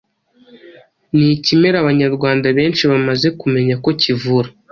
ni ikimera abanyarwanda benshi bamaze kumenya ko kivura,